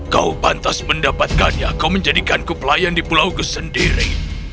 kau pantas mendapatkannya kau menjadikanku pelayan di pulauku sendiri